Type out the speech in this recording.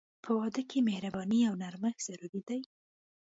په واده کې مهرباني او نرمښت ضروري دي.